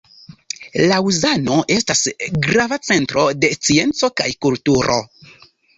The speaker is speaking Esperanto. Laŭzano estas grava centro de scienco kaj kulturo.